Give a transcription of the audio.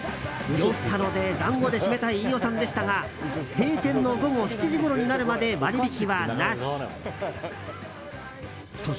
酔ったので団子で締めたい飯尾さんでしたが閉店の午後７時ごろになるまで割引はなし。